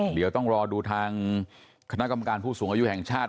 เดี๋ยวต้องรอดูทางคณะกรรมการผู้สูงอายุแห่งชาติ